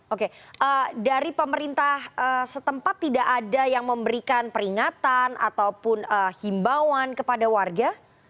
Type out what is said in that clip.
oke dari pemerintah setempat tidak ada yang memberikan peringatan ataupun himbauan kepada warga